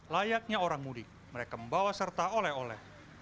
layaknya orang mudik mereka membawa serta oleh oleh